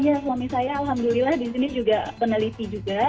ya suami saya alhamdulillah disini juga peneliti juga